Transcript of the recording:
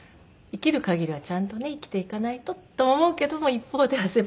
生きるかぎりはちゃんとね生きていかないととも思うけども一方では。